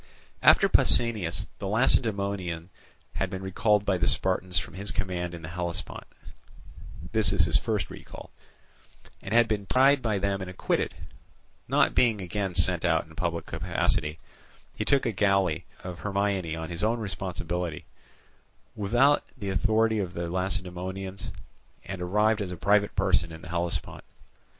After Pausanias the Lacedaemonian had been recalled by the Spartans from his command in the Hellespont (this is his first recall), and had been tried by them and acquitted, not being again sent out in a public capacity, he took a galley of Hermione on his own responsibility, without the authority of the Lacedaemonians, and arrived as a private person in the Hellespont.